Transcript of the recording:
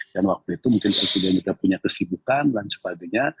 dan waktu itu mungkin presiden juga punya kesibukan dan sebagainya